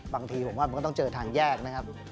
บางทีผมว่ามันก็ต้องเจอทางแยกนะครับ